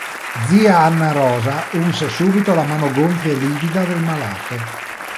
Zia Anna-Rosa unse subito la mano gonfia e livida del malato.